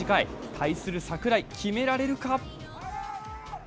対する櫻井、決められるか。